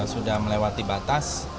sudah melewati batas